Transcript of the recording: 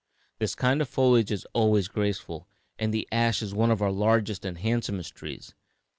This kind of foliage is always graceful, and the ash is one of our largest and handsomest trees.